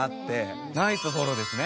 ナイスフォローですね。